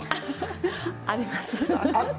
あります。